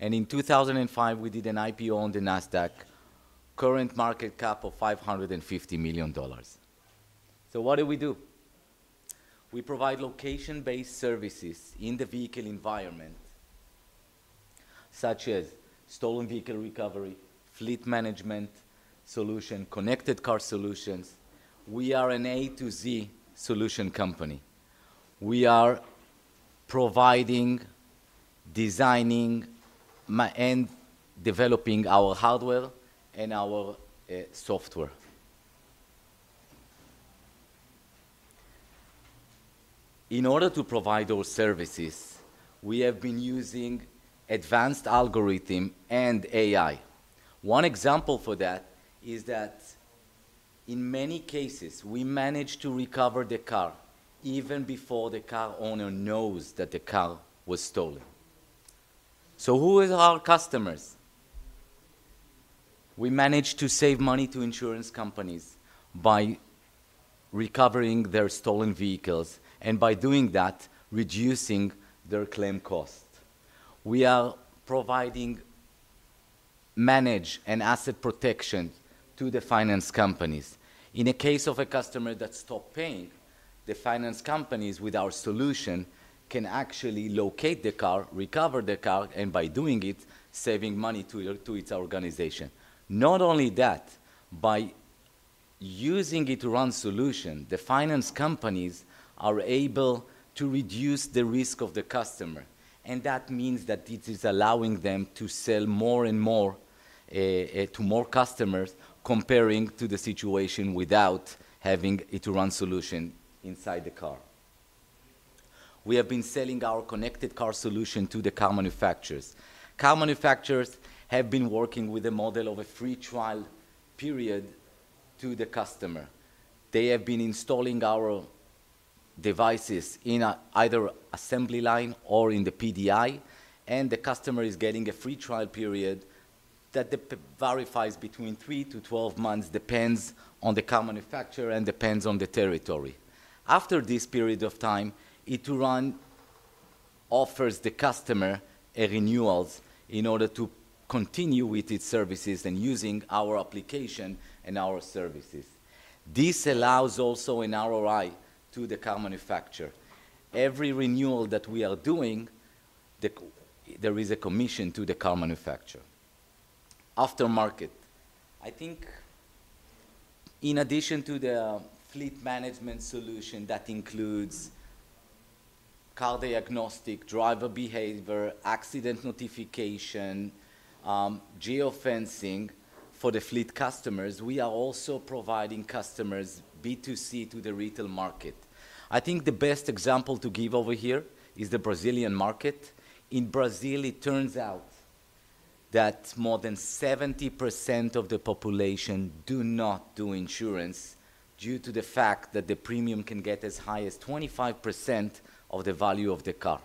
In 2005, we did an IPO on the Nasdaq, current market cap of $550 million. What do we do? We provide location-based services in the vehicle environment, such as stolen vehicle recovery, fleet management solution, connected car solutions. We are an A to Z solution company. We are providing, designing, and developing our hardware and our software. In order to provide those services, we have been using advanced algorithms and AI. One example for that is that in many cases, we manage to recover the car even before the car owner knows that the car was stolen. Who are our customers? We manage to save money to insurance companies by recovering their stolen vehicles and by doing that, reducing their claim cost. We are providing management and asset protection to the finance companies. In the case of a customer that stopped paying, the finance companies, with our solution, can actually locate the car, recover the car, and by doing it, save money to its organization. Not only that, by using Ituran's solution, the finance companies are able to reduce the risk of the customer. And that means that this is allowing them to sell more and more to more customers, comparing to the situation without having Ituran's solution inside the car. We have been selling our connected car solution to the car manufacturers. Car manufacturers have been working with a model of a free trial period to the customer. They have been installing our devices in either assembly line or in the PDI, and the customer is getting a free trial period that varies between three to 12 months, depends on the car manufacturer and depends on the territory. After this period of time, Ituran offers the customer a renewal in order to continue with its services and using our application and our services. This allows also an ROI to the car manufacturer. Every renewal that we are doing, there is a commission to the car manufacturer. Aftermarket, I think in addition to the fleet management solution that includes car diagnostic, driver behavior, accident notification, geofencing for the fleet customers, we are also providing customers B2C to the retail market. I think the best example to give over here is the Brazilian market. In Brazil, it turns out that more than 70% of the population do not do insurance due to the fact that the premium can get as high as 25% of the value of the car.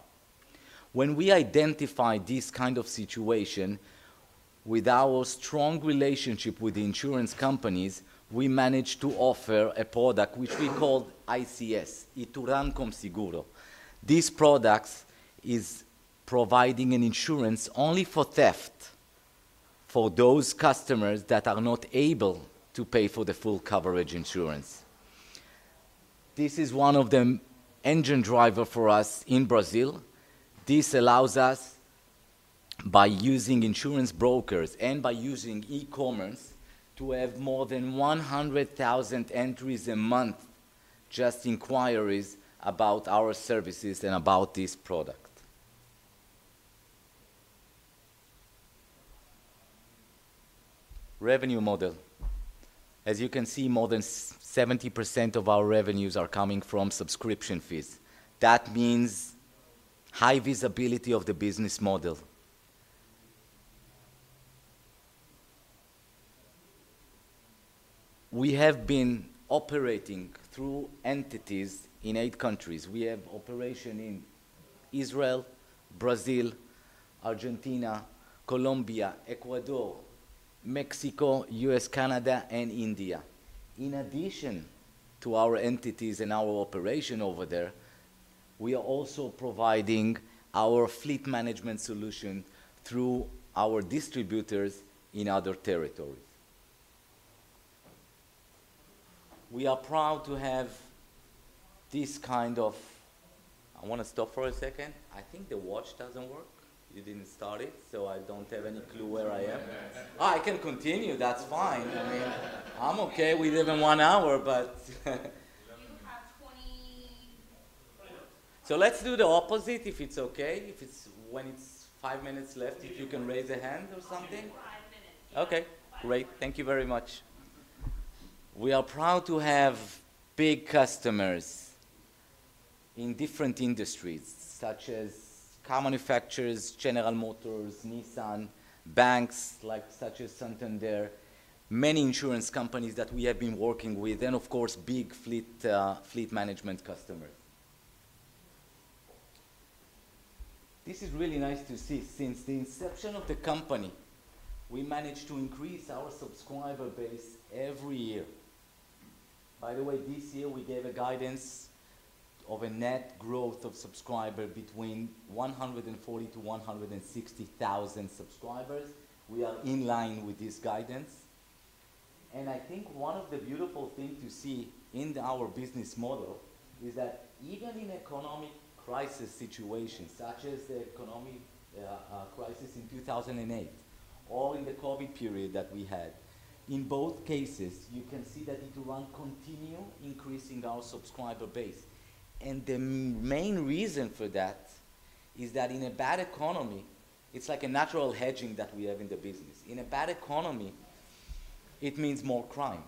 When we identify this kind of situation, with our strong relationship with the insurance companies, we manage to offer a product which we call ICS, Ituran com Seguro. This product is providing insurance only for theft for those customers that are not able to pay for the full coverage insurance. This is one of the engine drivers for us in Brazil. This allows us, by using insurance brokers and by using e-commerce, to have more than 100,000 entries a month, just inquiries about our services and about this product. Revenue model. As you can see, more than 70% of our revenues are coming from subscription fees. That means high visibility of the business model. We have been operating through entities in eight countries. We have operations in Israel, Brazil, Argentina, Colombia, Ecuador, Mexico, US, Canada, and India. In addition to our entities and our operation over there, we are also providing our fleet management solution through our distributors in other territories. We are proud to have this kind of. I want to stop for a second. I think the watch doesn't work. You didn't start it, so I don't have any clue where I am. I can continue. That's fine. I mean, I'm okay with even one hour, but. You have 20. 20 minutes. So let's do the opposite, if it's okay. When it's five minutes left, if you can raise a hand or something. We have five minutes. Okay. Great. Thank you very much. We are proud to have big customers in different industries, such as car manufacturers, General Motors, Nissan, banks such as Santander, many insurance companies that we have been working with, and of course, big fleet management customers. This is really nice to see. Since the inception of the company, we managed to increase our subscriber base every year. By the way, this year, we gave a guidance of a net growth of subscribers between 140,000-160,000 subscribers. We are in line with this guidance. I think one of the beautiful things to see in our business model is that even in economic crisis situations, such as the economic crisis in 2008 or in the COVID period that we had, in both cases, you can see that Ituran continued increasing our subscriber base. And the main reason for that is that in a bad economy, it's like a natural hedging that we have in the business. In a bad economy, it means more crime.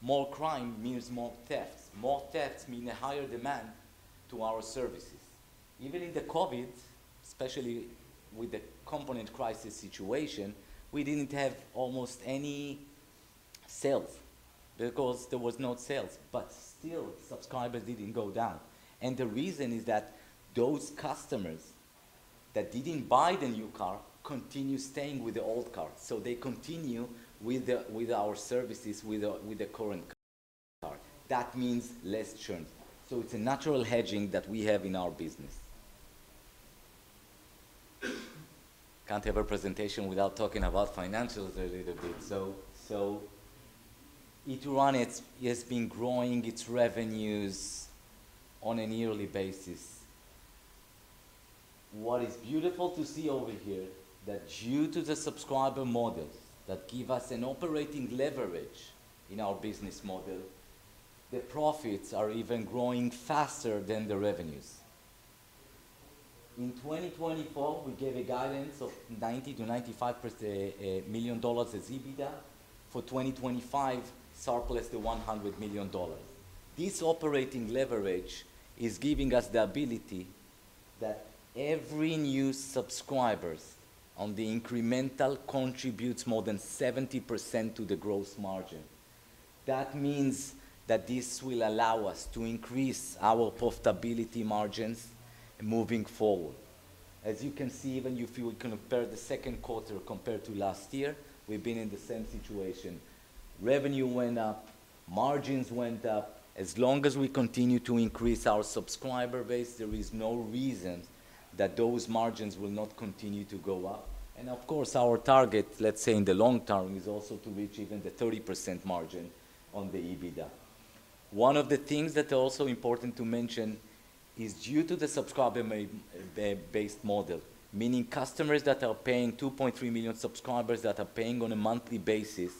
More crime means more thefts. More thefts mean a higher demand to our services. Even in the COVID, especially with the component crisis situation, we didn't have almost any sales because there were no sales. But still, subscribers didn't go down. And the reason is that those customers that didn't buy the new car continue staying with the old car. So they continue with our services with the current car. That means less churn. So it's a natural hedging that we have in our business. Can't have a presentation without talking about financials a little bit. So Ituran has been growing its revenues on a yearly basis. What is beautiful to see over here is that due to the subscriber model that gives us an operating leverage in our business model, the profits are even growing faster than the revenues. In 2024, we gave a guidance of $90-$95 million as EBITDA. For 2025, surpassing $100 million. This operating leverage is giving us the ability that every new subscriber on the incremental contributes more than 70% to the gross margin. That means that this will allow us to increase our profitability margins moving forward. As you can see, even if you compare the second quarter compared to last year, we've been in the same situation. Revenue went up, margins went up. As long as we continue to increase our subscriber base, there is no reason that those margins will not continue to go up. Of course, our target, let's say in the long term, is also to reach even the 30% margin on the EBITDA. One of the things that are also important to mention is due to the subscriber-based model, meaning customers that are paying 2.3 million subscribers that are paying on a monthly basis,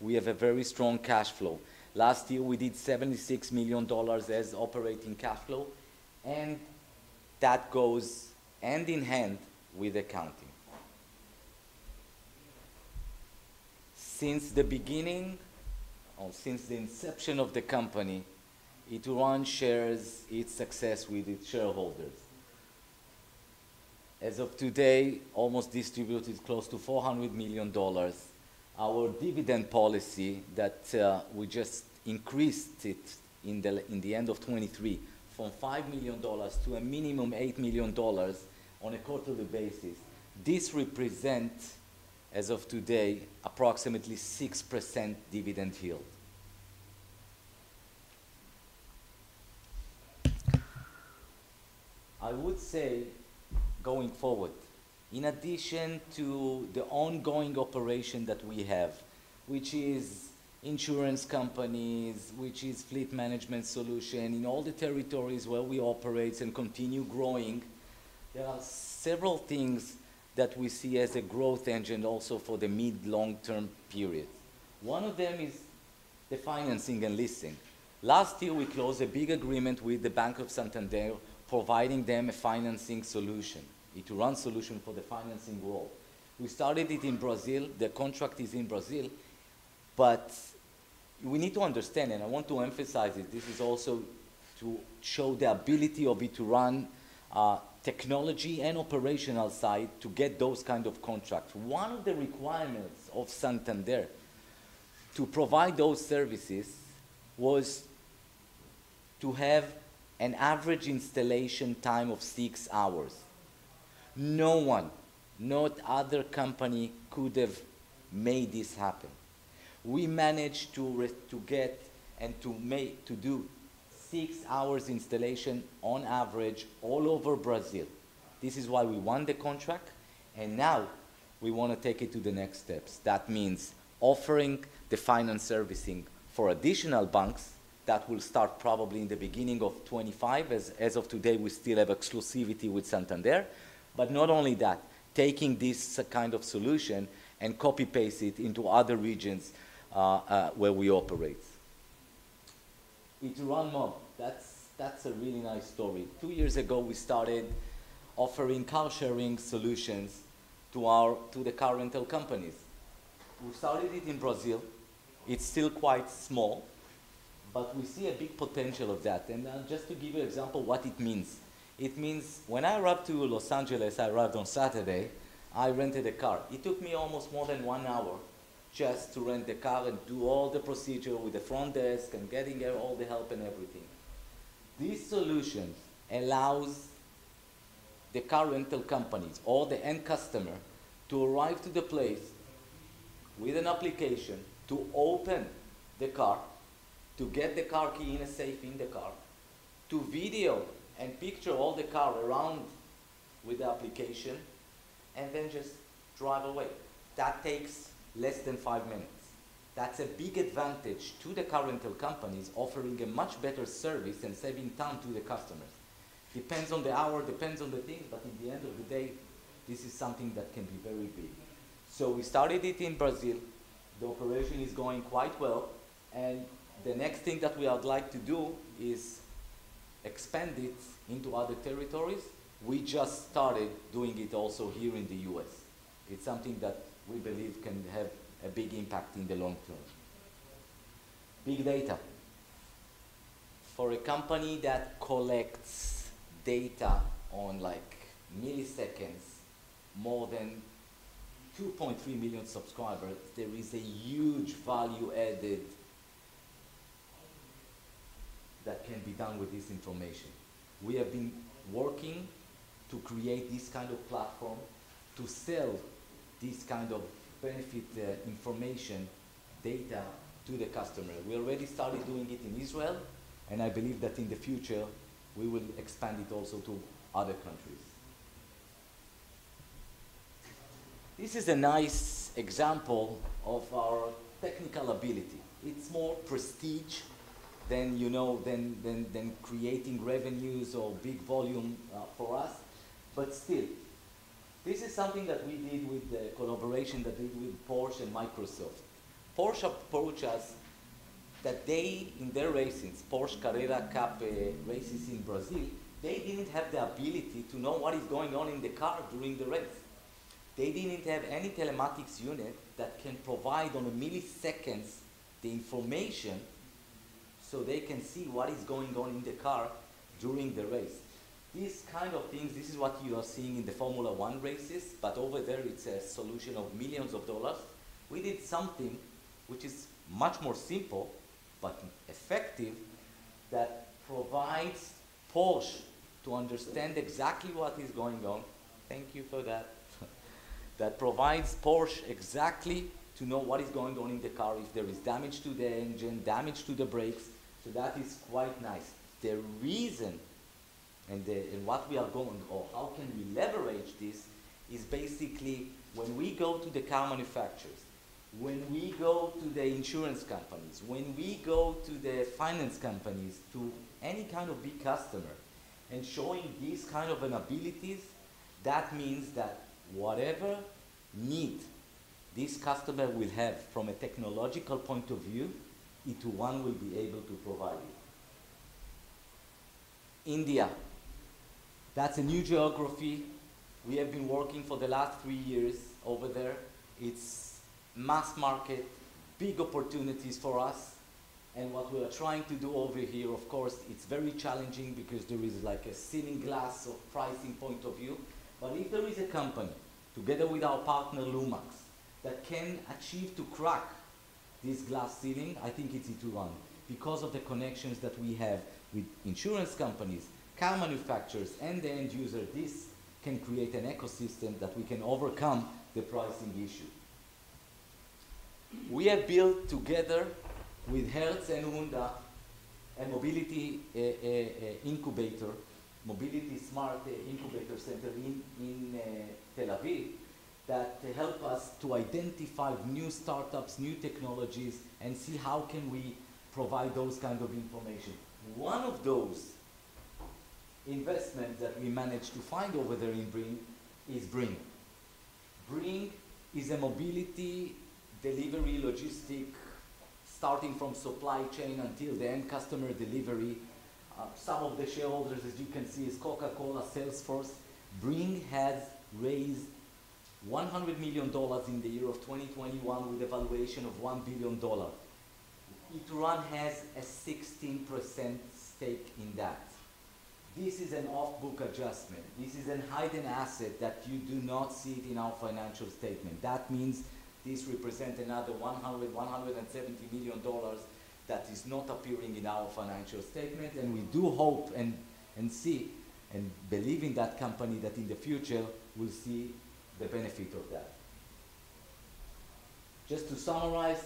we have a very strong cash flow. Last year, we did $76 million as operating cash flow, and that goes hand in hand with accounting. Since the beginning, or since the inception of the company, Ituran shares its success with its shareholders. As of today, almost distributed close to $400 million. Our dividend policy that we just increased at the end of 2023 from $5 million to a minimum of $8 million on a quarterly basis, this represents, as of today, approximately 6% dividend yield. I would say going forward, in addition to the ongoing operation that we have, which is insurance companies, which is fleet management solution in all the territories where we operate and continue growing, there are several things that we see as a growth engine also for the mid-long-term period. One of them is the financing and leasing. Last year, we closed a big agreement with Banco Santander, providing them a financing solution, Ituran solution for the financing world. We started it in Brazil. The contract is in Brazil. But we need to understand, and I want to emphasize it, this is also to show the ability of Ituran technology and operational side to get those kinds of contracts. One of the requirements of Santander to provide those services was to have an average installation time of six hours. No one, no other company could have made this happen. We managed to get and to do six-hour installation on average all over Brazil. This is why we won the contract. Now we want to take it to the next steps. That means offering the finance servicing for additional banks that will start probably in the beginning of 2025. As of today, we still have exclusivity with Santander. But not only that, taking this kind of solution and copy-pasting it into other regions where we operate. Ituran Mob, that's a really nice story. Two years ago, we started offering car-sharing solutions to the car rental companies. We started it in Brazil. It's still quite small, but we see a big potential of that. Just to give you an example of what it means, it means when I arrived to Los Angeles, I arrived on Saturday, I rented a car. It took me almost more than one hour just to rent the car and do all the procedure with the front desk and getting all the help and everything. This solution allows the car rental companies or the end customer to arrive to the place with an application, to open the car, to get the car key in a safe in the car, to video and picture all the car around with the application, and then just drive away. That takes less than five minutes. That's a big advantage to the car rental companies, offering a much better service and saving time to the customers. Depends on the hour, depends on the thing, but in the end of the day, this is something that can be very big. So we started it in Brazil. The operation is going quite well. And the next thing that we would like to do is expand it into other territories. We just started doing it also here in the US. It's something that we believe can have a big impact in the long term. Big data. For a company that collects data on milliseconds, more than 2.3 million subscribers, there is a huge value added that can be done with this information. We have been working to create this kind of platform to sell this kind of benefit information data to the customer. We already started doing it in Israel, and I believe that in the future, we will expand it also to other countries. This is a nice example of our technical ability. It's more prestige than creating revenues or big volume for us. But still, this is something that we did with the collaboration that we did with Porsche and Microsoft. Porsche approached us that they, in their races, Porsche Carrera Cup races in Brazil, they didn't have the ability to know what is going on in the car during the race. They didn't have any telematics unit that can provide on milliseconds the information so they can see what is going on in the car during the race. This kind of thing, this is what you are seeing in the Formula 1 races, but over there, it's a solution of millions of dollars. We did something which is much more simple but effective that provides Porsche to understand exactly what is going on. Thank you for that. That provides Porsche exactly to know what is going on in the car if there is damage to the engine, damage to the brakes. So that is quite nice. The reason and what we are going or how can we leverage this is basically when we go to the car manufacturers, when we go to the insurance companies, when we go to the finance companies, to any kind of big customer, and showing these kinds of abilities, that means that whatever need this customer will have from a technological point of view, Ituran will be able to provide it. India. That's a new geography. We have been working for the last three years over there. It's mass market, big opportunities for us. And what we are trying to do over here, of course, it's very challenging because there is a glass ceiling from a pricing point of view. But if there is a company together with our partner, Lumax, that can achieve to crack this glass ceiling, I think it's Ituran. Because of the connections that we have with insurance companies, car manufacturers, and the end user, this can create an ecosystem that we can overcome the pricing issue. We have built together with Hertz and Honda a mobility incubator, Mobility Smart Incubator Center in Tel Aviv, that helped us to identify new startups, new technologies, and see how can we provide those kinds of information. One of those investments that we managed to find over there in the incubator is Bringg. Bringg is a mobility delivery logistics starting from supply chain until the end customer delivery. Some of the shareholders, as you can see, is Coca-Cola, Salesforce. Bringg has raised $100 million in the year of 2021 with a valuation of $1 billion. Ituran has a 16% stake in that. This is an off-book adjustment. This is a hidden asset that you do not see in our financial statement. That means this represents another $100-$170 million that is not appearing in our financial statement. We do hope and see and believe in that company that in the future we'll see the benefit of that. Just to summarize,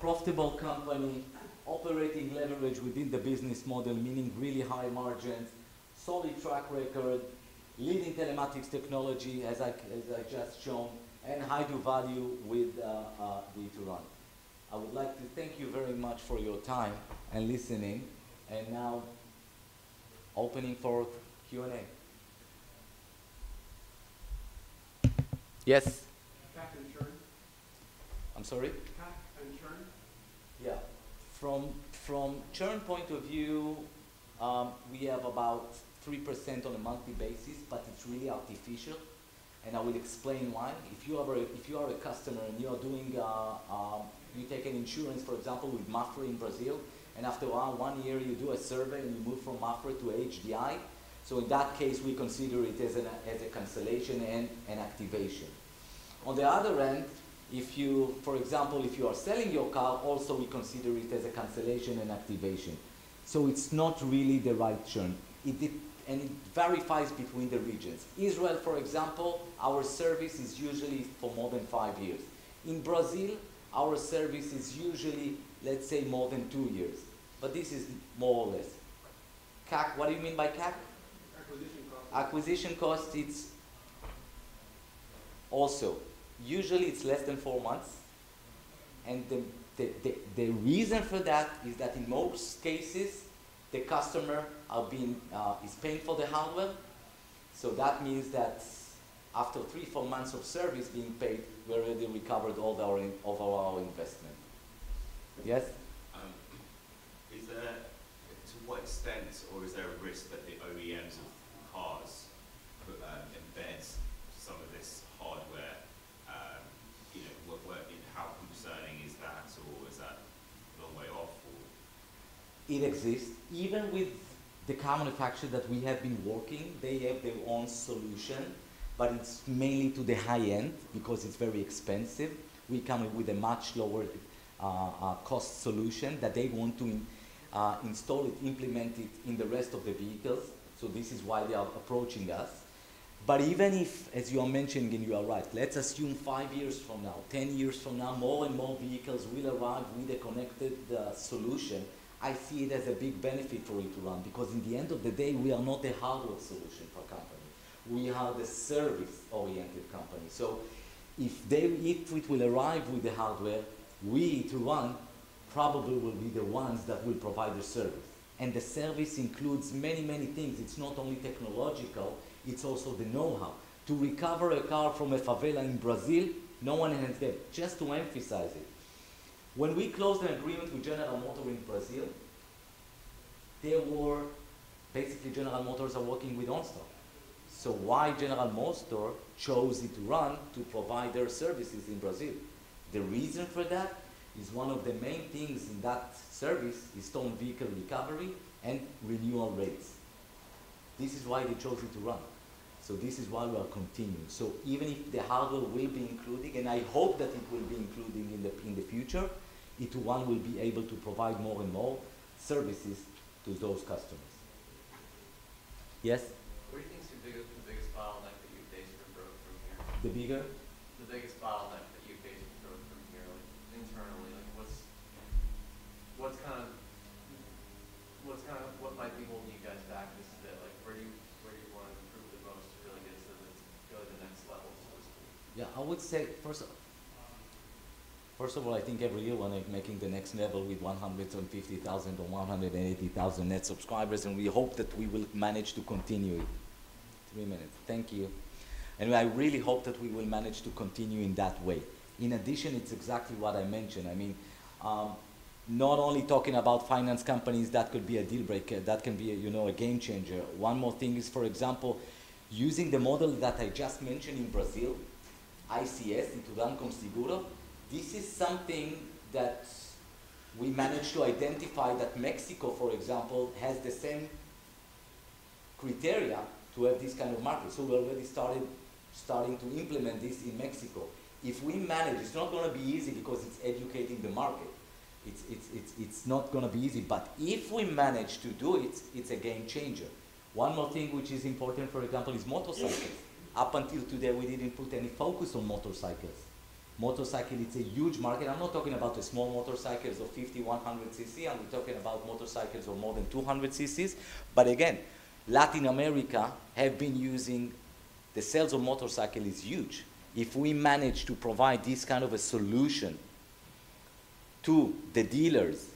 profitable company, operating leverage within the business model, meaning really high margins, solid track record, leading telematics technology, as I just shown, and high ROI with Ituran. I would like to thank you very much for your time and listening. Now opening for Q&A. Yes. Churn. I'm sorry? Churn. Yeah. From churn's point of view, we have about 3% on a monthly basis, but it's really artificial. I will explain why. If you are a customer and you take an insurance, for example, with Mapfre in Brazil, and after one year, you do a survey and you move from Mapfre to HDI. So in that case, we consider it as a cancellation and an activation. On the other end, for example, if you are selling your car, also we consider it as a cancellation and activation. So it's not really the right term. And it varies between the regions. Israel, for example, our service is usually for more than five years. In Brazil, our service is usually, let's say, more than two years. But this is more or less. What do you mean by CAC? Acquisition cost. Acquisition cost, it's also. Usually, it's less than four months. And the reason for that is that in most cases, the customer is paying for the hardware. So that means that after three, four months of service being paid, we already recovered all of our investment. Yes? To what extent or is there a risk that the OEMs of cars embed some of this hardware? How concerning is that? Or is that a long way off? It exists. Even with the car manufacturer that we have been working, they have their own solution, but it's mainly to the high end because it's very expensive. We come up with a much lower-cost solution that they want to install it, implement it in the rest of the vehicles. So this is why they are approaching us. But even if, as you are mentioning, and you are right, let's assume five years from now, ten years from now, more and more vehicles will arrive with a connected solution, I see it as a big benefit for Ituran because in the end of the day, we are not a hardware solution for a company. We are the service-oriented company. So if it will arrive with the hardware, we, Ituran, probably will be the ones that will provide the service. And the service includes many, many things. It's not only technological. It's also the know-how. To recover a car from a favela in Brazil, no one has that. Just to emphasize it. When we closed an agreement with General Motors in Brazil, there were basically General Motors are working with OnStar. So why General Motors chose Ituran to provide their services in Brazil? The reason for that is one of the main things in that service is stolen vehicle recovery and recovery rates. This is why they chose Ituran. So this is why we are continuing. So even if the hardware will be included, and I hope that it will be included in the future, Ituran will be able to provide more and more services to those customers. Yes? What do you think is the biggest part of that that you've faced so far? The bigger? The biggest pile of that that you've faced from here internally, what's kind of what might be holding you guys back? This is it. Where do you want to improve the most to really get to the next level, so to speak? Yeah. I would say, first of all, I think every year we're making the next level with 150,000 or 180,000 net subscribers, and we hope that we will manage to continue it. Three minutes. Thank you. And I really hope that we will manage to continue in that way. In addition, it's exactly what I mentioned. I mean, not only talking about finance companies, that could be a deal breaker. That can be a game changer. One more thing is, for example, using the model that I just mentioned in Brazil, ICS, Ituran com Seguro, this is something that we managed to identify that Mexico, for example, has the same criteria to have this kind of market. So we already started to implement this in Mexico. If we manage, it's not going to be easy because it's educating the market. It's not going to be easy. But if we manage to do it, it's a game changer. One more thing which is important, for example, is motorcycles. Up until today, we didn't put any focus on motorcycles. Motorcycle, it's a huge market. I'm not talking about the small motorcycles of 50, 100 cc. I'm talking about motorcycles of more than 200 cc. But again, Latin America has been using the sales of motorcycles is huge. If we manage to provide this kind of a solution to the dealers,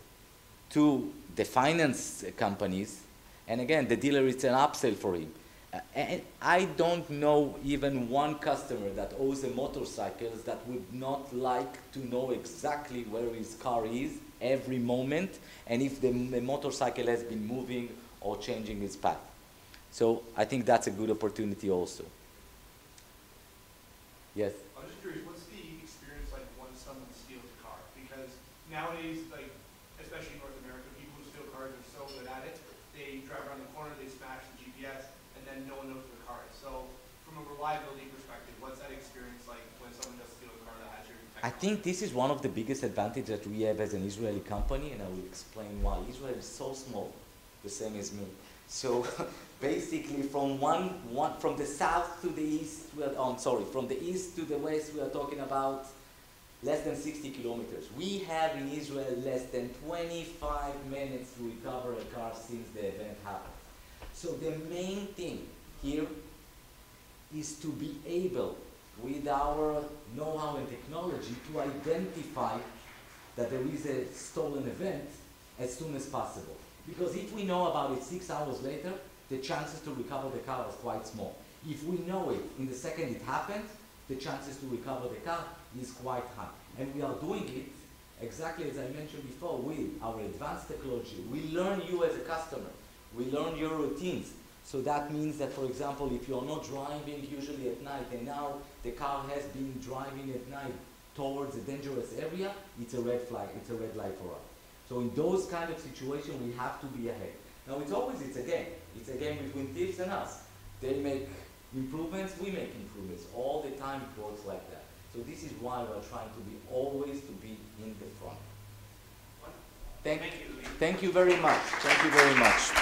to the finance companies, and again, the dealer, it's an upsell for him. I don't know even one customer that owns a motorcycle that would not like to know exactly where his car is every moment and if the motorcycle has been moving or changing its path. So I think that's a good opportunity also. Yes? I'm just curious, what's the experience like when someone steals a car? Because nowadays, especially in North America, people who steal cars are so good at it. They drive around the corner, they smash the GPS, and then no one knows where the car is. So from a reliability perspective, what's that experience like when someone does steal a car that has your? I think this is one of the biggest advantages that we have as an Israeli company, and I will explain why. Israel is so small, the same as me. So basically, from the south to the east, sorry, from the east to the west, we are talking about less than 60 kilometers. We have in Israel less than 25 minutes to recover a car since the event happened. So the main thing here is to be able, with our know-how and technology, to identify that there is a stolen event as soon as possible. Because if we know about it six hours later, the chances to recover the car are quite small. If we know it in the second it happened, the chances to recover the car is quite high. And we are doing it exactly as I mentioned before, with our advanced technology. We learn you as a customer. We learn your routines. So that means that, for example, if you are not driving usually at night, and now the car has been driving at night towards a dangerous area, it's a red flag. It's a red flag for us. So in those kinds of situations, we have to be ahead. Now, it's always a game. It's a game between thieves and us. They make improvements, we make improvements. All the time, it works like that. So this is why we are trying to be always in the front. Thank you. Thank you very much. Thank you very much.